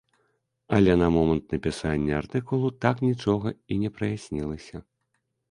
Але на момант напісання артыкулу так нічога і не праяснілася.